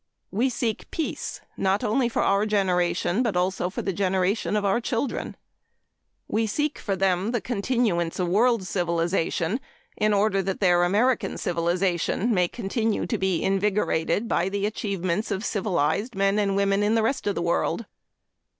We seek peace, not only for our generation but also for the generation of our children. We seek for them the continuance of world civilization in order that their American civilization may continue to be invigorated by the achievements of civilized men and women in the rest of the world.